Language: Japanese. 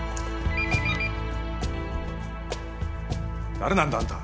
誰なんだあんた？